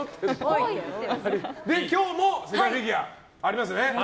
今日も世界フィギュアありますよね。